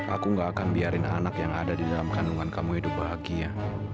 aku gak akan biarin anak yang ada di dalam kandungan kamu hidup bahagia